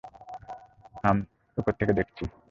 আম, আমি উপরে দেখছি।